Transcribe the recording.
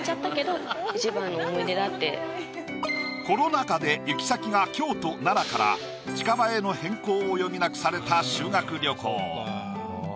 コロナ禍で行き先が京都・奈良から近場への変更を余儀なくされた修学旅行。